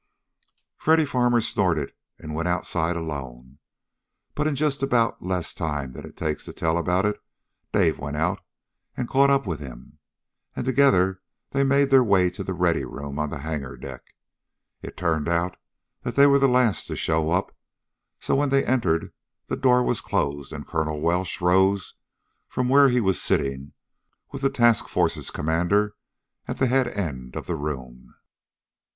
Freddy Farmer snorted and went outside alone, but in just about less time than it takes to tell about it Dave went out and caught up with him. And together they made their way to the Ready Room on the hangar deck. It turned out that they were the last to show up, so when they entered the door was closed and Colonel Welsh rose from where he was sitting with the task force's commander at the head end of the room.